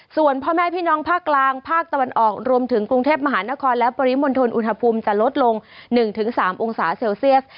ส่วนพ่อแม่พี่น้องภาคกลางภาคตะวันออกรวมถึงกรุงเทพมหานครและปริมณฑลอุณหภูมิจะลดลง๑๓องศาเซลเซียส